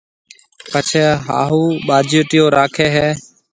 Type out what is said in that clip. پڇيَ ھاھُو ٻاجوٽيو راکيَ ھيََََ